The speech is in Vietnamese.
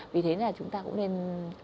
vì thế là chúng ta cũng nên